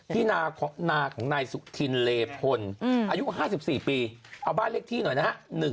นาของนายสุธินเลพลอายุ๕๔ปีเอาบ้านเลขที่หน่อยนะฮะ